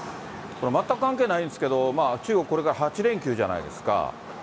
全く関係ないんですけど、中国、これから８連休じゃないですか。